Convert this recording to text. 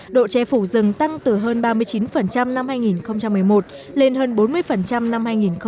độ che phủ rừng tăng từ hơn ba mươi chín năm hai nghìn một mươi một lên hơn bốn mươi năm hai nghìn một mươi